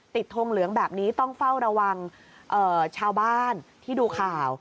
ทงเหลืองแบบนี้ต้องเฝ้าระวังชาวบ้านที่ดูข่าว